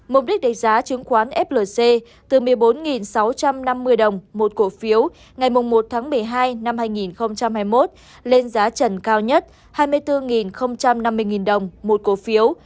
mục đích đánh giá chứng khoán flc từ một mươi bốn sáu trăm năm mươi đồng một cổ phiếu ngày một tháng một mươi hai năm hai nghìn hai mươi một lên giá trần cao nhất hai mươi bốn năm mươi đồng một cổ phiếu